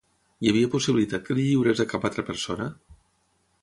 Hi havia possibilitat que li lliurés a cap altra persona?